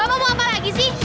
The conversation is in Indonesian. bapak mau apa lagi sih